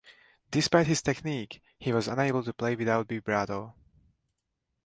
Despite his technique, he was unable to play without vibrato.